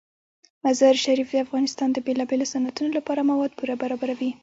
مزارشریف د افغانستان د بیلابیلو صنعتونو لپاره مواد پوره برابروي.